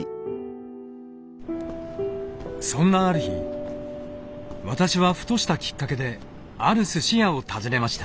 そんなある日私はふとしたきっかけであるすし屋を訪ねました。